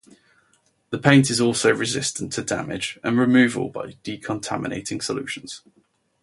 The paint is also resistant to damage and removal by decontaminating solutions.